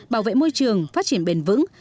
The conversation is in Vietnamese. bảo vệ môi trường phát triển bền vững